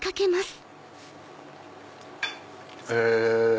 え。